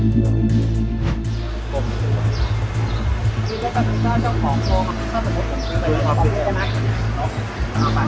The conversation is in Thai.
สวัสดีทุกคน